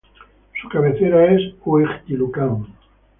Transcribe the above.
Su cabecera es Huixquilucan.